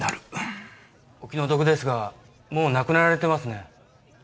お気の毒ですがもう亡くなられてますね。